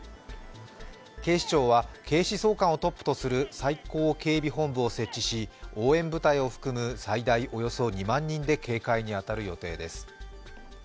警視庁は警視総監をトップとする最高警備本部を設置し応援部隊を含む最大およそ２万人で警戒に当たる予定です。